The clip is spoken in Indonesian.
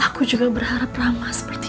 aku juga berharap ramah seperti